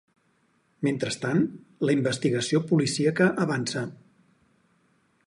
Mentrestant, la investigació policíaca avança.